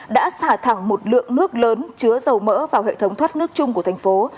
đã xả thẳng một lượng nước lớn chứa dầu mỡ vào hệ thống thoát nước chung của thành phố